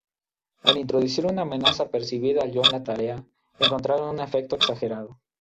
Al introducir una amenaza percibida al yo en la tarea, encontraron un efecto exagerado.